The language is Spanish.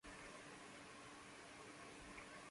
Fue vicario de la parroquia de St.